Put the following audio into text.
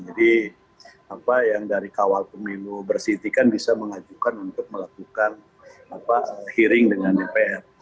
jadi apa yang dari kawal pemilu bersintikan bisa mengajukan untuk melakukan hearing dengan dpr